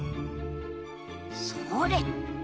それ！